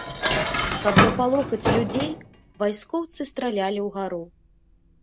Каб напалохаць людзей, вайскоўцы стралялі ўгару.